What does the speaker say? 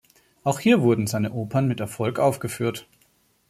Auch hier wurden seine Opern mit Erfolg aufgeführt.